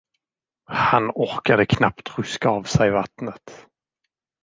Han orkade knappt ruska av sig vattnet.